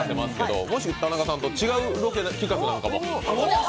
もし田中さんと違うロケ企画なんかも。